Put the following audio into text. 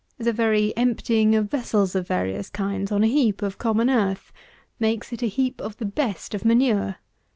The very emptying of vessels of various kinds, on a heap of common earth, makes it a heap of the best of manure.